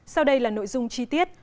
sau đây là nội dung chi tiết